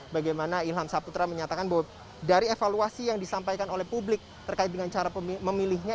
bagaimana ilham saputra menyatakan bahwa dari evaluasi yang disampaikan oleh publik terkait dengan cara memilihnya